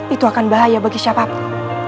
itu akan bahaya bagi siapapun